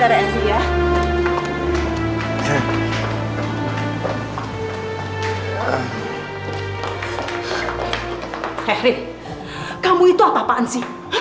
hei rih kamu itu apa apaan sih